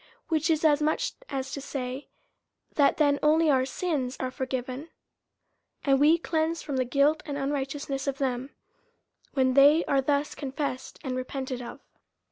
; which is as much as to say, that then only our sins are forgiven, and we cleansed from the guilt and unrighteousness of them, when they are thus confessed and repented of.